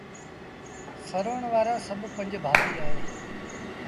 سروڻ وآرآ سڀ پنج ڀآتيٚ اوهيݩ